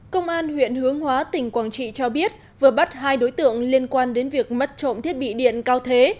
công an huyện hướng hóa tỉnh quảng trị cho biết vừa bắt hai đối tượng liên quan đến việc mất trộm thiết bị điện cao thế